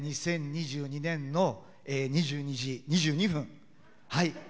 ２０２２年の２２時２２分。